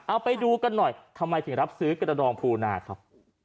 เอาไปดูกันหน่อยทำไมถึงรับซื้อกระดองภูนาครับ